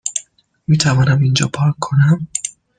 میتوانم اینجا پارک کنم؟